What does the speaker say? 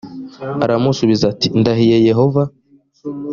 aramusubiza ati “ndahiye yehova”